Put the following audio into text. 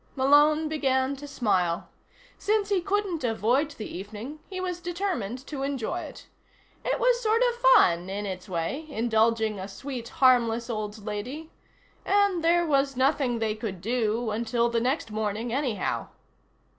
Malone began to smile. Since he couldn't avoid the evening, he was determined to enjoy it. It was sort of fun, in its way, indulging a sweet harmless old lady. And there was nothing they could do until the next morning, anyhow.